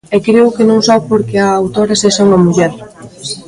E creo que non só porque a autora sexa unha muller.